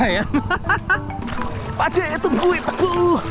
hahaha padahal itu buit aku